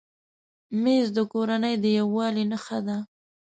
مېز د کورنۍ د یووالي نښه ده.